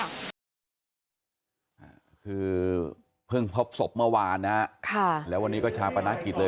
คือเพิ่งพบศพเมื่อวานนะแล้ววันนี้ก็ชาวประนักกิจเลย